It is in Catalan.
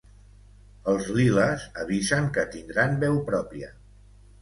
els liles avisen que tindran veu pròpia